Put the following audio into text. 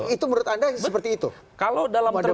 itu menurut anda seperti itu